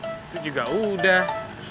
itu juga udah